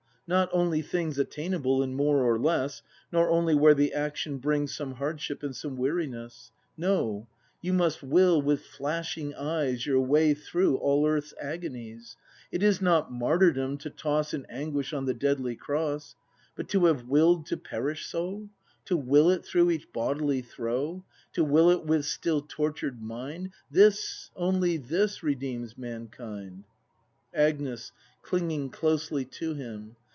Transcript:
Not only things Attainable, in more or less, Nor only where the action brings Some hardship and some weariness; No, you must will with flashing eyes Your way through all earth's agonies. It is not martyrdom to toss In anguish on the deadly cross: But to have w i 1 1 ' d to perish so. To will it through each bodily throe, To will it with still tortured mind. This, only this, redeems mankind. Agnes. [Clinging closely to him.